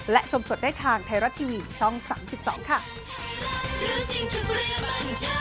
และชมสดได้ทางไทยรัฐทีวีช่อง๓๒ค่ะ